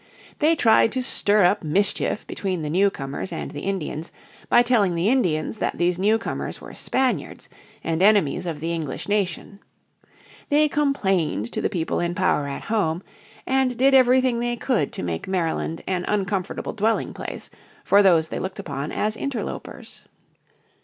They tried to stir up mischief between the newcomers and the Indians by telling the Indians that these newcomers were Spaniards, and enemies of the English nation. They complained to the people in power at home, and did everything they could to make Maryland an uncomfortable dwelling place for those they looked upon as interlopers.